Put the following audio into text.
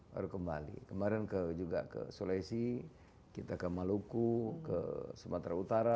baru kembali kemarin juga ke sulawesi kita ke maluku ke sumatera utara